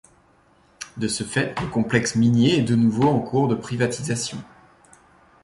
De ce fait, le complexe minier est de nouveau en cours de privatisation.